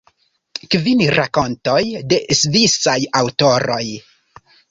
Kvin rakontoj de svisaj aŭtoroj.